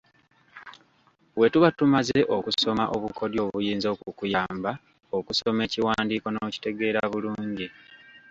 Bwe tuba tumaze okusoma obukodyo obuyinza okukuyamba okusoma ekiwandiiko n’okitegeera bulungi.